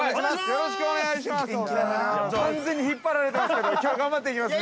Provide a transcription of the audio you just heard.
◆よろしくお願いします。